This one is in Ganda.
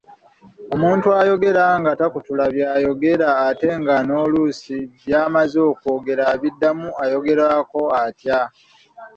Omuntu ayogera nga takutula by'ayogera ate nga n’oluusi by'amaze okwogera abiddamu ayogerwako atya?